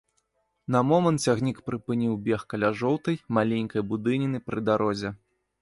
На момант цягнік прыпыніў бег каля жоўтай, маленькай будыніны пры дарозе.